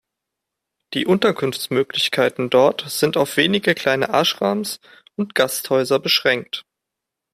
Die Unterkunftsmöglichkeiten dort sind auf wenige kleine Ashrams und Gasthäuser beschränkt.